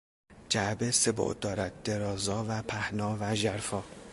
جعبه سه بعد دارد: درازا و پهنا و ژرفا